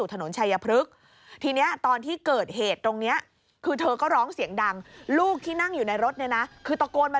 ธนวณไชยพลึกทีนี่ตอนที่เกิดเหตุตรงนี้คือเธอก็ร้องเสียงดังลูกที่นั่งอยู่ในรถตะโกนมาเลยว่าแผ่นดินไหว